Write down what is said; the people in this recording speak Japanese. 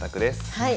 はい。